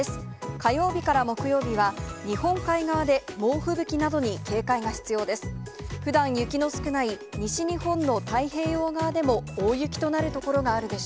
火曜日から木曜日は日本海側で猛吹雪などに警戒が必要です。